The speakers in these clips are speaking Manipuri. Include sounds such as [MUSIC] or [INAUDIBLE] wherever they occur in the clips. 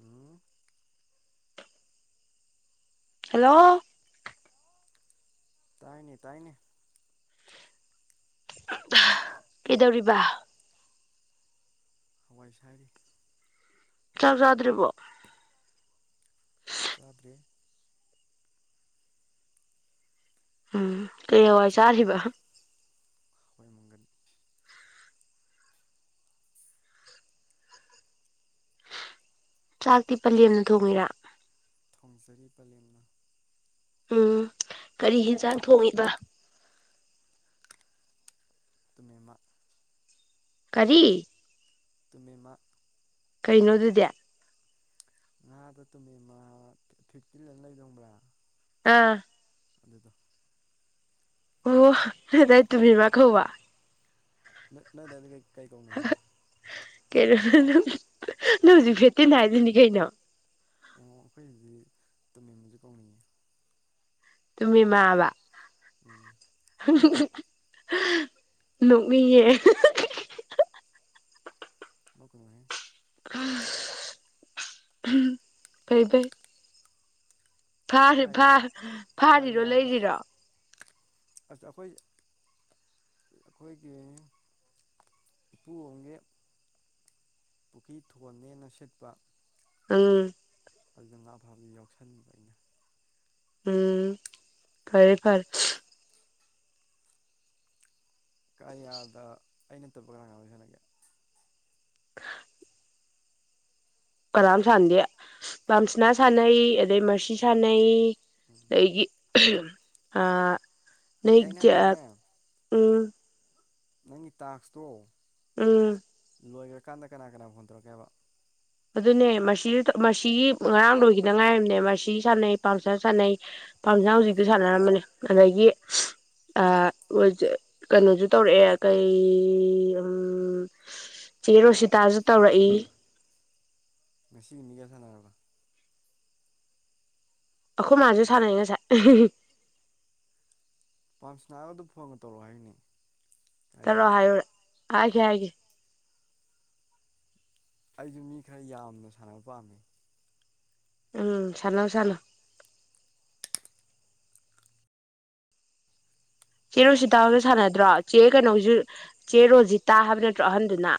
ꯎꯝ ꯍꯜꯂꯣ ꯇꯥꯏꯅꯦ ꯇꯥꯏꯅꯦ ꯀꯩꯗꯧꯔꯤꯕ ꯍꯋꯥꯏ ꯁꯥꯏꯔꯤ ꯆꯥꯛ ꯆꯥꯗ꯭ꯔꯤꯕꯣ ꯆꯥꯗ꯭ꯔꯤ ꯎꯝ ꯀꯩ ꯍꯋꯥꯏ ꯆꯥꯛꯄꯨ ꯆꯥꯔꯤꯕ ꯍꯋꯥꯏ ꯃꯪꯒꯟ ꯆꯥꯛꯇꯤ ꯄꯂꯦꯝꯅ ꯊꯣꯡꯉꯤꯔꯥ ꯊꯣꯡꯖꯔꯤ ꯄꯂꯦꯝꯅ ꯎꯝ ꯀꯔꯤ ꯌꯦꯟꯁꯥꯡ ꯊꯣꯡꯉꯤꯕ ꯇꯨꯅꯦꯃꯥ ꯀꯔꯤ ꯇꯨꯃꯦꯃ ꯀꯩꯅꯣ ꯑꯗꯨꯗꯤ ꯉꯥꯗꯣ ꯇꯨꯝꯃꯦꯃ ꯐꯤꯐꯇꯤꯟꯅ ꯂꯩꯗꯣ ꯈꯪꯕ꯭ꯔꯥ ꯑꯥ ꯑꯗꯨꯗꯣ ꯑꯣ ꯅꯣꯏ ꯑꯗꯥꯏ ꯇꯨꯃꯦꯃꯥ ꯀꯧꯕ꯭ꯔꯥ ꯅꯣꯏ ꯑꯗꯥꯏ ꯅꯣꯏ ꯑꯗꯥꯏꯗꯤ ꯀꯩ ꯀꯩ ꯀꯧꯅꯒꯦ [UNINTELLIGIBLE] ꯑꯣ ꯑꯩꯈꯣꯏꯗꯗꯤ ꯇꯨꯝꯃꯦꯕꯁꯨ ꯀꯧꯅꯩꯌꯦ ꯇꯨꯃꯦꯃꯥ ꯍꯥꯏꯕ ꯎꯝ [UNINTELLIGIBLE] ꯅꯣꯛꯅꯤꯡꯉꯦ ꯂꯧ ꯀꯣꯏꯦ ꯑ ꯐꯩ ꯐꯩ ꯅꯪ ꯀꯔꯤꯌꯥ ꯐꯥꯔꯤꯔꯣ ꯂꯩꯁꯤꯔꯣ ꯑ ꯑꯩꯈꯣꯏ ꯑꯩꯈꯣꯏꯒꯤ ꯏꯄꯨꯣꯡꯒꯤ ꯄꯨꯈ꯭ꯔꯤ ꯊꯣꯟꯅꯦꯅ ꯁꯤꯠꯄ ꯎꯝ ꯑꯗꯨꯗ ꯉꯥ ꯐꯥꯕꯗꯨ ꯌꯥꯎꯁꯟꯕ ꯑꯩꯅ ꯎꯝ ꯐꯔꯦ ꯐꯔꯦ ꯔꯇꯦꯞꯄ ꯀꯔꯤꯌꯥꯗ ꯑꯩꯅ ꯑꯇꯣꯞꯄ ꯀꯅꯥ ꯀ ꯑꯣꯏ ꯁꯥꯟꯂꯒꯦ ꯀꯅꯥꯝ ꯁꯥꯟꯅꯗꯦ ꯄꯝꯁꯅꯥ ꯁꯥꯟꯅꯩ ꯑꯗꯩ ꯁꯥꯟꯅꯩ ꯎꯝ ꯑꯗꯒꯤ ꯅꯠꯇꯦ ꯩ ꯑꯩꯅ ꯀ ꯍꯥꯏꯕꯗꯤꯅꯦ ꯎꯝ ꯅꯪꯒꯤ ꯇꯥꯛꯁꯇꯣ ꯎꯝ ꯂꯣꯏꯈ꯭ꯔꯀꯥꯟꯗ ꯀꯅꯥ ꯀꯅꯥ ꯐꯣꯟ ꯇꯧꯔꯛꯀꯦꯕ ꯑꯗꯨꯅꯦ ꯃꯁꯤ ꯃꯁꯤꯒꯤ ꯉꯔꯥꯡ ꯂꯣꯏꯈꯤꯗ ꯉꯥꯏꯔꯤꯕꯅꯦ ꯃꯁꯤ ꯁꯥꯟꯅꯩ ꯄꯜꯆꯔ ꯁꯥꯟꯅꯩ ꯄꯥꯝꯁꯥ ꯍꯧꯖꯤꯛꯇꯤ ꯁꯥꯟꯅꯔꯝꯕꯅꯤ ꯑꯗꯒꯤ ꯑ ꯀꯩꯅꯣꯁꯨ ꯇꯧꯔꯛꯑꯦ ꯀꯩ ꯎꯝ ꯆꯦ ꯔꯣꯁꯤꯇꯥꯁꯨ ꯇꯧꯔꯛꯏ ꯉꯁꯤꯒꯤ ꯃꯤꯒꯌꯥ ꯁꯥꯟꯅꯔꯕ ꯑꯩꯈꯣꯏ ꯃꯥꯅꯥꯁꯨ ꯁꯥꯟꯅꯩ ꯉꯁꯥꯏ ꯄꯥꯝꯁꯅꯥꯕ ꯑꯗꯨ ꯐꯣꯟꯒ ꯇꯧꯔꯛꯑꯣ ꯍꯥꯏꯅꯤ ꯇꯔꯣꯑꯣ ꯍꯥꯏꯌꯨꯔ ꯍꯥꯏꯒꯦ ꯍꯥꯏꯒꯦ ꯑꯩꯁꯨ ꯃꯤ ꯈꯔ ꯌꯥꯝꯅ ꯁꯥꯟꯅꯕ ꯄꯥꯝꯃꯤ ꯎꯝ ꯁꯥꯟ ꯁꯅꯣ ꯆꯦꯔꯣꯁꯤ ꯇꯥꯕꯁꯨ ꯁꯥꯟꯅꯗ꯭ꯔꯣ ꯆꯦ ꯀꯩꯅꯣꯁꯨ ꯆꯦꯔꯣꯜꯁꯤ ꯇꯥ ꯍꯥꯏꯕ ꯅꯠꯇ꯭ꯔꯣ ꯑꯍꯟꯗꯨꯅ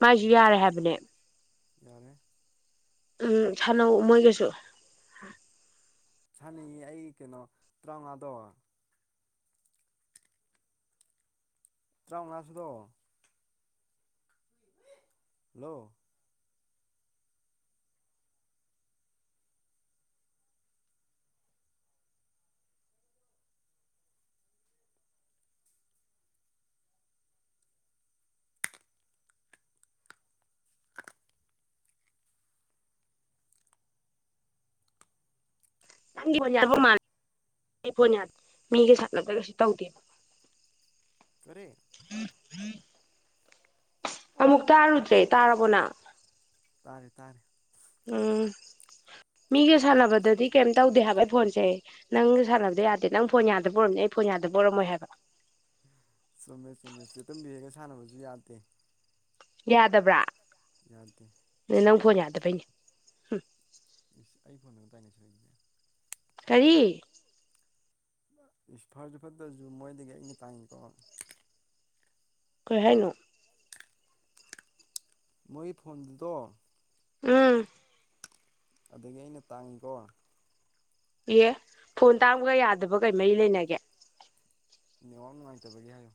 ꯃꯥꯥꯏꯁꯨ ꯌꯥꯔꯦ ꯍꯥꯏꯕꯅꯦk ꯌꯥꯅꯦ ꯎꯝ ꯁꯥꯟꯅꯧ ꯃꯣꯏꯒꯁꯨ ꯁꯥꯅꯤꯡꯉꯤ ꯑꯩ ꯀꯩꯅꯣ ꯇꯔꯥꯃꯉꯥꯗꯣ ꯇꯔꯥꯃꯉꯥꯁꯨꯗꯣ ꯍꯜꯂꯣ ꯅꯪꯒꯤ ꯄꯣꯟ ꯌꯥ ꯃꯥꯜꯂ ꯄꯣꯟ ꯃꯤꯒ ꯁꯠꯅꯕꯗꯒꯩ ꯇꯧꯗꯦꯕ ꯈꯔꯦ ꯑꯃꯨꯛ ꯇꯥꯔꯨꯗ꯭ꯔꯦ ꯇꯥꯔꯕꯅ ꯇꯥꯔꯦ ꯇꯥꯔꯦ ꯎꯝ ꯃꯤꯒ ꯁꯥꯟꯅꯕꯗꯗꯤ ꯀꯩꯝ ꯇꯧꯗꯦ ꯍꯥꯏꯕ ꯑꯩ ꯐꯣꯟꯁꯦ ꯅꯪꯁꯨ ꯁꯥꯟꯅꯕꯗꯣ ꯌꯥꯗꯦ ꯅꯪ ꯐꯣꯟ ꯌꯥꯗꯕ ꯑꯣꯏꯔꯝꯅꯦ ꯑꯩ ꯐꯣꯟ ꯌꯥꯗꯕ ꯑꯣꯏꯔꯝꯃꯣꯏ ꯍꯥꯏꯕ ꯆꯨꯝꯃꯦ ꯆꯨꯝꯃꯦ ꯆ ꯇꯨꯝꯕꯤꯔꯒ ꯁꯥꯟꯅꯕꯁꯨ ꯌꯥꯗꯦ ꯌꯥꯗꯕ꯭ꯔꯥ ꯌꯥꯗꯦ ꯅꯪ ꯐꯣꯟ ꯌꯥꯗ ꯐꯩꯅꯦ ꯏꯁ ꯑꯩ ꯐꯣꯟꯗ ꯑꯗꯨꯇꯥꯏꯅꯁꯨ ꯍꯥꯏꯁꯅꯦꯦ ꯀꯔꯤ ꯏꯁ ꯐꯔꯁꯨ ꯐꯠꯇ꯭ꯔꯁꯨ ꯃꯣꯏꯗꯒꯤ ꯑꯩꯅ ꯇꯥꯡꯉꯤꯀꯣ ꯀꯩ ꯍꯥꯏꯅꯣ ꯃꯣꯏ ꯐꯣꯟꯗꯨꯗꯣ ꯎꯝ ꯑꯗꯒꯤ ꯑꯩꯅ ꯇꯥꯡꯉꯤꯀꯣ ꯑꯦ ꯐꯣꯟ ꯇꯥꯡꯕꯒ ꯌꯥꯗꯕ ꯀꯩ ꯃꯔꯤ ꯂꯩꯅꯒꯦ ꯅꯤꯉ ꯅꯨꯡꯉꯥꯏꯇꯕꯒꯤꯦ ꯍꯥꯏꯌꯨ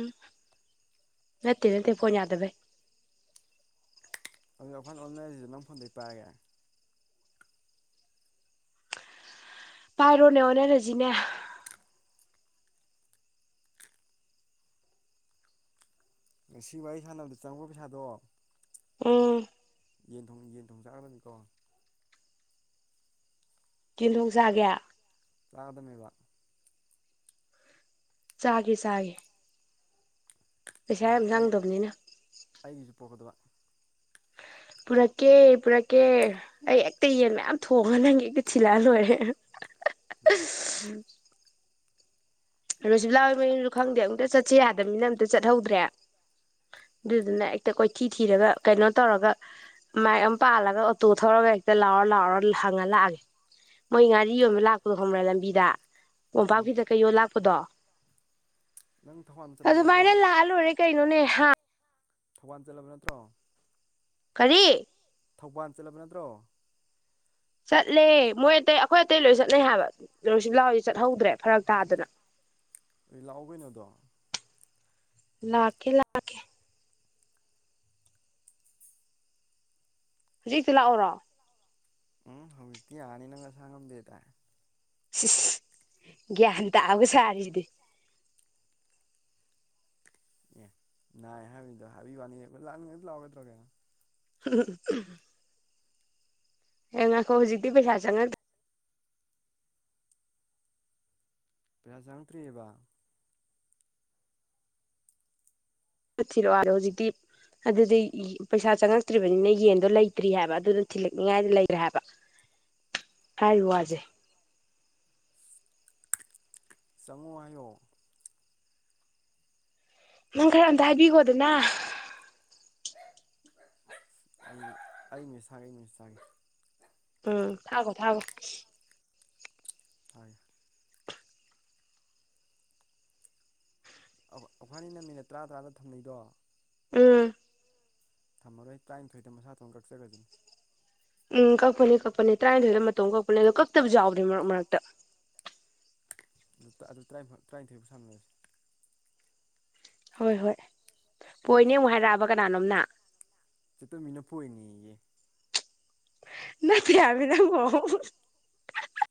ꯎꯝ ꯅꯠꯇꯟꯅꯠꯇ ꯄꯣ ꯆꯩꯥꯗꯕ ꯑꯗꯨ ꯑꯩꯈꯥꯟ ꯑꯣꯟꯅꯔꯤꯁꯤꯗ ꯅꯪ ꯐꯣꯟꯗꯒꯤꯩꯥꯔꯒꯦ ꯕꯥꯔꯣꯅꯦ ꯑꯣꯅꯦ ꯔꯖꯤꯅꯦ ꯉꯁꯤ ꯋꯥꯔꯤ ꯑꯩ ꯁꯥꯟꯅꯕꯗ ꯆꯪꯛꯕ ꯄꯩꯁꯥꯗꯣ ꯎꯝ ꯌꯦ ꯌꯦꯟꯊꯣꯡ ꯆꯥꯛꯗꯅꯤꯀꯣ ꯀꯤꯜꯍꯧ ꯆꯥꯒꯦ ꯆ꯭ꯥꯒꯗꯃꯕ ꯆꯥꯒꯦ ꯆꯥꯒꯦ ꯄꯩꯁꯥ ꯎꯝ ꯌꯥꯝ ꯑꯩ ꯆꯪꯗꯕꯅꯤꯅ ꯑꯩꯒꯤꯁꯨ ꯄꯣꯛꯀꯗꯕ ꯄꯨꯔꯛꯀꯦ ꯄꯨꯔꯛꯀꯦ ꯑꯩ ꯑꯦꯛꯇ ꯌꯦꯟ ꯃꯌꯥꯝ ꯊꯣꯡꯉ ꯅꯪꯒꯤꯛꯇ ꯊꯤꯜꯂꯛ ꯂꯣꯏꯔꯦ ꯊꯤꯜꯂꯛꯑꯣ ꯎꯝ ꯔꯣꯁꯤꯕꯂꯥ ꯍꯣꯏ ꯃꯌꯨꯝꯁꯨ ꯈꯪꯗꯦ ꯑꯃꯨꯛꯇ ꯆꯠꯁꯤꯦ ꯌꯥꯗꯕꯅꯤꯅ ꯑꯝꯛꯇ ꯆꯠꯍꯧꯗ꯭ꯔꯦ ꯑꯗꯨꯗꯨꯅ ꯍꯦꯛꯇ ꯀꯣꯏꯊꯤ ꯊꯤꯔꯒ ꯀꯩꯅꯣ ꯇꯧꯔꯒ ꯃꯥꯏꯛ ꯑꯃ ꯄꯥꯜꯂꯒ ꯑꯣꯇꯣ ꯊꯧꯔꯒ ꯍꯦꯛꯇ ꯂꯥꯎꯔ ꯂꯥꯎꯔ ꯍꯪꯉ ꯂꯥꯛꯑꯒꯦ ꯃꯣꯏ ꯉꯥꯔꯤ ꯌꯣꯟꯕ ꯂꯥꯛꯄꯗꯣ ꯈꯣꯡꯕ꯭ꯔꯥ ꯂꯝꯕꯤꯗ ꯄꯝꯄꯥꯛ ꯈꯪꯉꯦ ꯈꯤꯇ ꯀꯩ ꯌꯣꯜ ꯂꯥꯛꯄꯗꯣ ꯅꯪ ꯊꯧꯕꯥꯜ ꯆꯠꯂꯕ ꯅꯠꯇ꯭ꯔꯣ ꯑꯗꯨꯃꯥꯏꯅ ꯂꯥꯜꯂꯨꯔꯦ ꯀꯩꯅꯣꯅꯦ ꯊꯧꯕꯥꯜ ꯆꯠꯂꯕ ꯅꯠꯇ꯭ꯔꯣ ꯀꯔꯤ ꯊꯧꯕꯥꯜ ꯆꯠꯂꯕ ꯅꯠꯇ꯭ꯔꯣ ꯆꯠꯂꯦ ꯃꯣꯏ ꯑꯇꯩ ꯑꯩꯈꯣꯏ ꯑꯇꯩ ꯂꯣꯏ ꯆꯠꯅꯩ ꯍꯥꯏꯕ ꯂꯣꯏꯁꯤ ꯂꯥꯎꯗꯤ ꯆꯠꯍꯧꯗ꯭ꯔꯦ ꯐꯔꯛ ꯇꯥꯗꯅ ꯑꯩ ꯂꯥꯛꯑꯣ ꯀꯩꯅꯣꯗꯣ ꯂꯥꯛꯀꯦ ꯂꯥꯛꯀꯦ ꯍꯧꯖꯤꯛꯇꯤ ꯂꯥꯛꯑꯣꯔꯣ ꯎꯝ ꯍꯧꯇꯤ ꯑꯅꯤ ꯅꯪ ꯉ ꯁꯥꯡꯒꯝꯗꯦ ꯇꯦ ꯁꯤꯁ ꯒ꯭ꯌꯥꯟ ꯇꯥꯑꯒ ꯁꯥꯔꯤꯁꯤꯗꯤ ꯑꯦ ꯅꯥꯏ ꯍꯥꯏꯕꯅꯤꯗꯣ ꯍꯥꯏꯕꯤ ꯋꯥꯅꯤ ꯂꯥꯛꯅꯤꯡꯉꯩ ꯂꯥꯛꯒꯗ꯭ꯔꯣ ꯀꯩꯅꯣ [INAUDIBLE] ꯍꯉꯈꯣ ꯍꯧꯖꯤꯛꯇꯤ ꯄꯩꯁꯥ ꯆꯪ ꯄꯦꯖꯪ ꯐ꯭ꯔꯤꯌꯦꯕ ꯆꯠ ꯊꯤꯔꯛꯑꯣꯔꯣ ꯍꯧꯖꯤꯛꯇ ꯑꯗꯨꯗꯤ ꯄꯩꯁꯥ ꯆꯪꯉꯛꯇ꯭ꯔꯤꯕꯅꯤꯅ ꯌꯦꯟꯗꯣ ꯂꯩꯇ꯭ꯔꯤ ꯍꯥꯏꯕ ꯑꯗꯨꯗꯣ ꯊꯤꯜꯂꯛꯅꯤꯉꯥꯏꯗ ꯂꯩꯈ꯭ꯔꯦ ꯍꯥꯏꯕ ꯑ ꯍꯥꯏꯥꯏꯔꯤꯕꯖꯦ ꯆꯪꯉꯣ ꯍꯥꯏꯌꯣ ꯅꯪ ꯈꯔ ꯑꯝꯇ ꯍꯥꯏꯕꯤꯈꯣꯗꯅ ꯑꯩ ꯑꯩ ꯃꯤꯁꯒꯦ ꯑꯩ ꯃꯤ ꯁꯦ ꯎꯝ ꯊꯥꯒꯣ ꯊꯥꯒꯣ ꯇ ꯑꯩꯅꯤꯅ ꯃꯤꯅꯠ ꯇꯔꯥ ꯇꯔꯥꯗ ꯊꯝꯅꯩꯗꯣ ꯑꯥ ꯊꯝꯃꯔꯣꯏ ꯇꯔꯥꯅꯤꯊꯣꯏꯗ ꯃꯁꯥꯊꯣꯟꯅ ꯀꯛꯆꯒꯁꯤꯅꯤ ꯎꯝ ꯀꯛꯄꯅꯦ ꯀꯛꯄꯅꯦ ꯇꯔꯥꯅꯤꯊꯣꯏꯗ ꯃꯇꯣꯝ ꯀꯛꯄꯅꯦ ꯑꯗꯣ ꯀꯛꯇꯕ ꯌꯥꯎꯕꯅꯤ ꯃꯔꯛ ꯃꯔꯛꯇ ꯑꯗꯨ ꯇꯔꯥꯅꯤꯊꯣꯏꯨꯥꯎ ꯁꯥꯟꯅꯔꯁꯤ ꯍꯣꯏ ꯍꯣꯏ ꯄꯣꯏꯅꯦ ꯑꯃꯨꯛ ꯍꯥꯏꯔꯛꯑꯕ ꯀꯅꯥꯅꯣꯝꯅ ꯆꯠꯇꯃꯤꯅ ꯄꯣꯛꯏꯅꯦꯌꯦ ꯅ ꯌꯥꯝ ꯅ ꯍ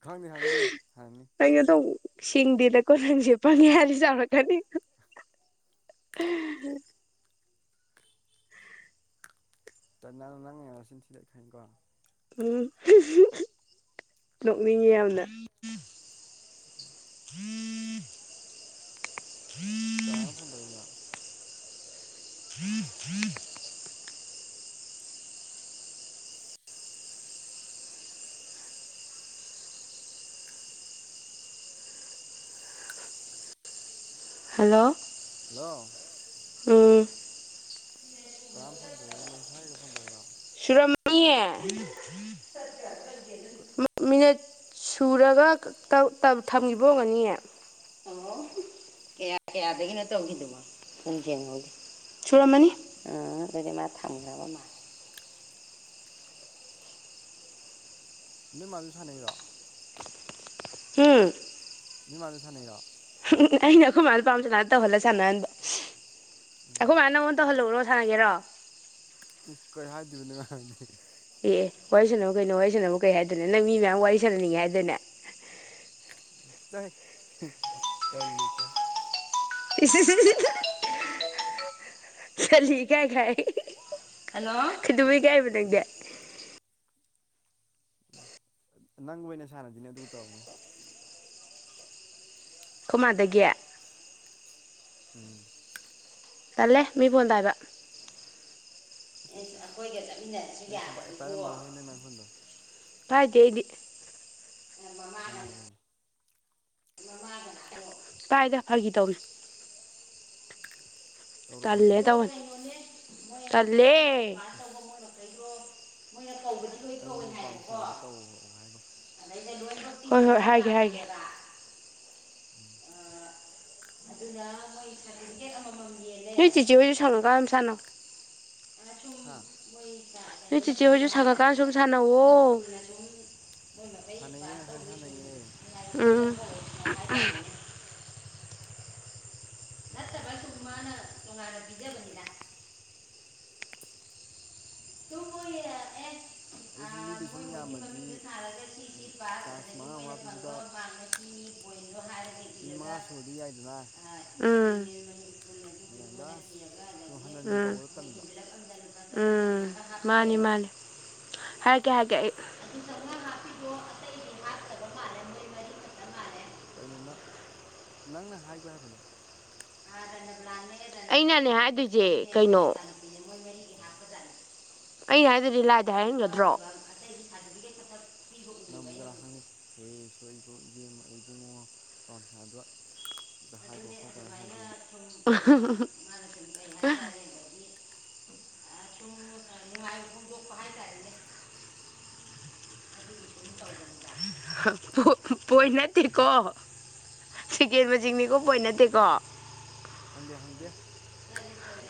ꯈꯪꯗꯦ ꯈꯪꯗꯦ꯫ ꯍꯪꯅꯤ ꯀꯩꯅꯣꯗꯧ ꯁꯤꯡꯗꯦꯗ ꯀꯣ ꯅꯪꯁꯦ ꯄꯪꯉꯦ ꯍꯥꯏꯕꯁꯨ ꯌꯔꯣꯏ꯫ ꯗꯗꯤ꯫ ꯅꯪꯅ ꯉꯔꯁꯤꯟ ꯊꯤꯗꯛꯈꯅꯤꯀꯣ꯫ ꯎꯝ ꯅꯣꯛꯅꯤꯡꯉꯤ ꯌꯥꯝꯅ꯫ [UNINTELLIGIBLE] ꯀꯥꯥꯟꯅꯅꯣ ꯐꯣꯟꯇꯧꯔꯛꯏꯗꯨꯅ꯫ [UNINTELLIGIBLE] ꯍꯜꯂꯣ꯫ ꯍꯜꯂꯣ꯫ ꯎꯝ꯫ ꯀꯅꯅꯣ ꯐꯣꯟ ꯇꯧꯔꯛꯏꯗꯣ ꯃꯦꯁꯦꯁ ꯊꯔꯛꯢꯔꯣ ꯐꯣꯟ ꯇꯧꯔꯛꯢꯔꯣ꯫ ꯁꯨꯔꯝꯅꯤꯍꯦ ꯃꯤꯅꯠ꯫ ꯁꯨꯔꯒ ꯊꯝꯈꯤꯕꯒ ꯑꯣꯔꯝꯅꯤꯌꯦ꯫ ꯑꯣ ꯀꯌꯥ ꯀꯌꯥꯗꯒꯤꯅꯣ ꯇꯧꯈꯤꯗꯣ ꯄꯨꯡ ꯀꯥꯌꯅꯣ꯫ ꯁꯨꯔꯝꯃꯅꯤ ꯑꯥ ꯑꯗꯨꯗꯤ ꯃꯥ ꯊꯝꯈ꯭ꯔꯕ ꯃꯥꯜ꯫ ꯅꯣꯏ ꯃꯥꯁꯨ ꯁꯥꯟꯅꯩꯔꯣ꯫ ꯍꯝ꯫ ꯅꯣꯏ ꯃꯥꯁꯨ ꯁꯥꯟꯅꯩꯔꯣ꯫ ꯑꯩꯅ ꯈꯣꯏꯃꯥ ꯄꯥꯝ ꯆꯅꯗꯥ ꯇꯧꯍꯂ ꯁꯅꯍꯟꯕ꯫ ꯎꯝ ꯑꯩꯈꯣꯏ ꯃꯥ ꯅꯪꯉꯣꯟ ꯇꯧꯍꯜꯂꯛꯎꯔꯣ ꯁꯥꯟꯅꯒꯦꯔꯣ꯫ ꯏꯁ ꯀꯩ ꯍꯥꯏꯗꯣꯏꯕꯅ ꯅꯣꯏ ꯃꯥꯗꯗꯤ ꯫ ꯑꯦ ꯋꯥꯔꯤ ꯁꯥꯟꯅꯧ ꯀꯩꯅꯣ ꯋꯥꯔꯤ ꯁꯥꯟꯅꯕꯕꯨ ꯀꯩ ꯍꯥꯏꯗꯣꯏꯅꯣ ꯅꯪ ꯃꯤ ꯃꯌꯥꯝ ꯋꯥꯔꯤ ꯁꯥꯟꯅꯅꯤꯡꯉꯦ ꯍꯥꯏꯗꯥꯏꯅꯦ꯫ ꯆꯥꯍꯦ ꯇꯜꯂꯤ ꯏꯀꯥꯏ꯫ ꯏꯁ ꯏꯁ ꯏꯁ꯫ [UNINTELLIGIBLE] ꯇꯜꯂꯤ ꯏꯀꯥꯏ ꯀꯥꯏ ꯍꯜꯂꯣ ꯀꯩꯗꯧ ꯁꯦꯔꯥꯟ ꯏꯀꯥꯏꯕ ꯇꯨꯔꯥꯟ ꯅꯪꯗꯤ꯫ ꯅꯪ ꯑꯣꯏꯅ ꯁꯥꯟꯅꯁꯤꯅꯦ ꯑꯗꯨꯒ ꯇꯧꯔꯛꯑꯣꯅꯦ꯫ ꯈꯣꯏ ꯃꯥꯗꯒꯤ꯫ ꯎꯝ꯫ ꯇꯜꯂꯦ ꯃꯤ ꯐꯣꯟꯄꯥꯏꯕ꯫ ꯑꯁ ꯑꯦ ꯑꯁ ꯑꯁ ꯑꯩꯈꯣꯏꯒ ꯆꯠꯃꯤꯟꯅꯔꯁꯨ ꯅꯪ ꯁꯨꯡꯄꯥꯏ ꯌꯥꯕꯗꯨꯕꯨ꯫ ꯄꯥꯏꯔꯝꯃꯔꯣꯏꯍꯦ ꯅꯣꯏ ꯃꯥꯏ ꯐꯣꯟꯗꯣ ꯐꯥꯏꯗꯦ ꯑꯩꯗꯤ꯫ ꯈꯪꯉꯤ ꯏꯕꯦꯝꯃ꯫ ꯄꯥꯏꯗ ꯐꯒꯤ ꯇꯧꯕꯅꯤ꯫ ꯇꯜꯂꯦ ꯇꯧꯔꯛꯑꯣꯗꯣ ꯇꯧꯕꯅꯦ ꯇꯜꯂꯦꯪ ꯑꯁ꯫ [UNINTELLIGIBLE] ꯃꯣꯏꯅ ꯀꯧꯒꯗꯧ꯫ ꯑꯩꯅ ꯅꯨꯄꯥꯞꯁꯅꯥꯗ ꯇꯧꯔꯛꯑꯣ ꯍꯥꯏꯒꯣ꯫ ꯍꯣꯏ ꯍꯣꯏ ꯍꯥꯏꯒꯦ ꯍꯥꯏꯒꯦ꯫ ꯎꯝ꯫ [UNINTELLIGIBLE] ꯎꯝ ꯅꯣꯏ ꯆꯤꯆꯦ ꯍꯣꯏꯁꯨ ꯁꯪꯉꯥ ꯀꯟꯗ ꯅꯗꯨꯝ ꯁꯥꯟ ꯅꯧ꯫ ꯍꯥ ꯅꯣꯏ ꯆꯤꯆꯦ ꯍꯣꯏꯁꯨ ꯁꯪꯉꯀꯥꯟ ꯁꯨꯝ ꯁꯥꯟꯅꯧꯋꯣ꯫ ꯁꯥꯟꯅꯩꯌꯦ ꯉꯁꯥꯏ ꯁꯥꯟꯅꯩꯌꯦ ꯎꯝ꯫ ꯅꯠꯇꯕ ꯁꯨꯝ ꯃꯥꯅ ꯇꯨꯡꯉꯥꯟꯅ ꯕꯤꯖꯕꯅꯤꯗ꯫ ꯇꯨꯝꯃꫭꯏꯒꯤ ꯑꯦ ꯑꯗꯨ ꯁꯨꯝ ꯑꯥ ꯃꯤꯗꯨ ꯃꯣꯏ ꯁꯨꯝ ꯃꯣꯏꯒꯤ ꯃꯃꯤꯡꯗꯨ ꯌꯥꯝꯃꯗꯤ ꯊꯥꯔꯒ ꯁꯤꯁꯤ ꯄꯥꯁ ꯑꯗꯒꯤ ꯃꯣꯏꯅ ꯐꯪꯕ ꯃꯥꯛꯅ ꯁꯤꯅꯤ꯫ ꯃꯤꯃꯉꯥ ꯁꯨꯔꯗꯤ ꯌꯥꯏꯗꯅ꯫ ꯎꯝ꯫ ꯃꯤꯉꯣꯟꯗ ꯁꯨꯝ ꯍꯟꯖꯤꯟ ꯍꯟꯖꯤꯟ ꯎꯝ ꯇꯧꯕꯗꯣ ꯇꯟꯕ꯫ ꯎꯝ ꯃꯥꯅꯤ ꯃꯥꯅꯤ ꯍꯥꯏꯔꯥꯛꯀꯦ ꯍꯥꯏꯔꯥꯛꯀꯦ ꯑꯩ ꯑꯗꯨ ꯆꯥꯎꯉꯥ ꯍꯥꯞꯄꯤꯗꫭ ꯑꯇꯩꯗꯤ ꯍꯥꯠꯇꯕ ꯃꯥꯜꯂꯦ ꯃꯣꯏ ꯃꯔꯤ ꯈꯠꯇ ꯃꯥꯜꯂꯦ ꯀꯩꯅꯣ ꯅ ꯅꯪꯅ ꯍꯥꯏꯕ ꯍꯥꯏꯕꯅꯦ ꯑꯩꯅꯅꯦ ꯍꯥꯏꯗꯣꯏꯁꯦ ꯀꯩꯅꯣ [UNINTELLIGIBLE] ꯑꯩꯩꯅ ꯍꯥꯏꯗꯗꯤ ꯂꯥꯏꯗ ꯍꯥꯏ ꯍꯥꯟꯒꯗ꯭ꯔꯣ ꯑꯇꯩꯗꯤ ꯁꯗꯤꯕꯤꯀꯦꯠ ꯈꯠꯇꯪ ꯄꯤ ꯅꯝꯃꯒꯅ ꯀꯥꯅ ꯍꯪꯅꯤ ꯍꯦ ꯏꯁꯣꯔ ꯏꯕꯨꯡ ꯏꯕꯦꯝ ꯏꯕꯨꯡꯉꯣ ꯄꯝꯁꯗꯣ ꯍꯥꯏꯈꫭ ꯈꯠꯈꫭꯅ ꯍꯥꯏꯗꯤ [UNINTELLIGIBLE] ꯄꯣꯏꯟ ꯅꯠꯇꯦꯀꯣ ꯁꯦꯀꯦꯟ ꯃꯁꯤꯡꯅꯤꯀꯣ ꯄꯣꯏꯟ ꯅꯠꯇꯦꯀꯣ ꯈꯪꯗꯦ ꯈꯪꯗꯦ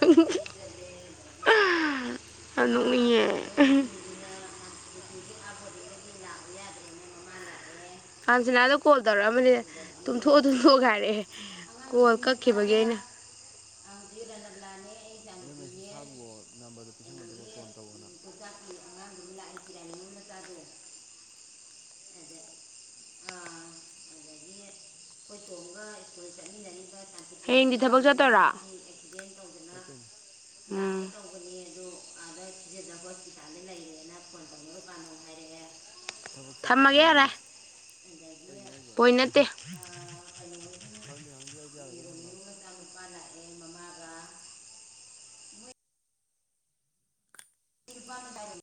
ꯍ [UNINTELLIGIBLE] ꯌꯥꯝ ꯅꫭꯛꯅꯤꯡꯉꯦ ꯈꯪꯗꯦ ꯑꯟꯁꯤꯅꯥꯗꯨ ꯀꯣꯜ ꯇꯧꯔꯛꯑꯝꯕꯅꯤ ꯇꯨꯝꯊꯣꯛꯑꯨ ꯇꯨꯝꯊꯣꯛꯑꯨꯒꯦ ꯍꯥꯏꯔꯛꯑꯦ ꯀꯣꯜ ꯀꯛꯈꯤꯕꯒꯤ ꯑꯩꯅ [UNINTELLIGIBLE] ꯑꯩꯅꯦ ꯑꯗꯨꯗ ꯃꯦꯁꯦꯁ ꯊꯥꯈꯨꯋꫭ ꯅꯝꯕꯔꯗꯨ ꯄꯤꯁꯤꯜꯈꫭ ꯑꯗꯨꯒ ꯀꯣꯜ ꯇꯧꯔꯛꯑꫭꯅ ꯂꯧꯇꯥꯛꯀꯤ ꯑꯉꯥꯡꯗꯨꯃꯥ ꯂꯥꯛꯑꯦ ꯆꯤꯔꯥꯏ ꯂꫭꯡꯉꯨ ꯃꯆꯥꯥꯗꯣ ꯑꯗꯥ ꯑꯥ ꯑꯗꯥꯒꯤ ꯑꯩꯈꯣꯏ ꯇꯣꯡꯒ ꯁ꯭ꯀꯨꯜ ꯆꯠꯃꯤꯟꯅꯔꯤꯕ ꯇꯥꯟ ꯍꯌꯦꯡꯗꯤ ꯊꯕꯛ ꯆꯠꯇꫭꯏꯔꯥ ꯆꯠꯇꯨꯏꯅꯤ ꯎꯝ ꯇꯧꯕꯅꯦ ꯑꯗꯨ ꯑꯥꯗ ꯊꯤꯖꯗꯕ ꯍꯣꯁꯄꯤꯇꯥꯜꯗ ꯂꯩꯔꯦꯅ ꯐꯣꯟ ꯇꯧꯅꯔꯨꯀꯥꯟꯗ ꯑꯃ ꯍꯥꯏꯔꯛꯑꯦ ꯊꯕꯛ ꯆꯠꯇ꯭ꯔꯗꯤ ꯌꯨꯝꯗ ꯀꯩꯒꯤꯅꯣ ꯍꯥꯏꯁꯦ ꯄꯣꯏꯟ ꯅꯠꯇꯦ ꯈꯪꯗꯦ ꯈꯪꯗꯦ ꯑꯩꯗꯤ ꯌꯥꯔꫭꯏꯀꫭ ꯊꯝꯕ